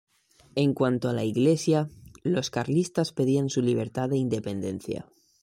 En cuanto a la Iglesia, los carlistas pedían su libertad e independencia.